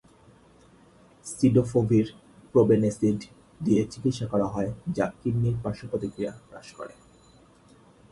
সিডোফভির probenecid দিয়ে চিকিৎসা করা হয় যা কিডনির পার্শ্বপ্রতিক্রিয়া হ্রাস করে।